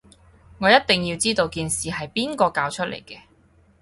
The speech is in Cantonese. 我一定要知道件事係邊個搞出嚟嘅